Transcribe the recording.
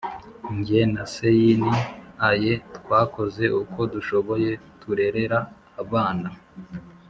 Jye na sein aye twakoze uko dushoboye turerera abana